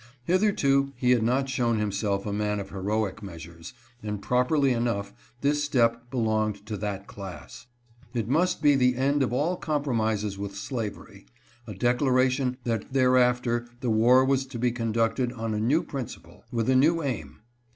Hitherto, he had not shown himself a man of heroic measures, and, properly enough, this step belonged to that class. It must be the end of all compromises with slavery — a declaration that there after the war was to be conducted on a new principle, with a new aim.